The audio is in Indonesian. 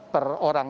dua ratus per orang